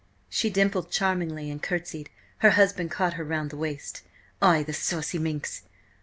She dimpled charmingly and curtsied. Her husband caught her round the waist. "Ay, the saucy minx!